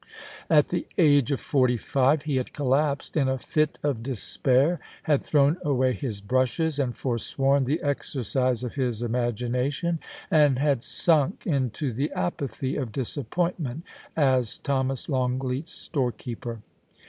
At the age of forty five he had collapsed in a fit of despair, had thrown away his brushes and forsworn the exercise of his imagination, and had sunk into the apathy of disappointment as Thomas Longleat^s storekeeper.